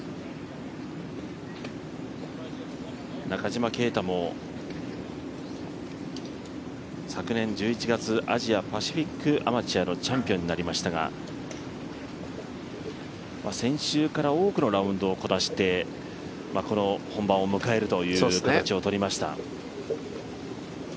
中島啓太も昨年１１月アジアパシフィックアマチュアのチャンピオンになりましたが先週から多くのラウンドをこなしてこの本番を迎えるという形をとりました。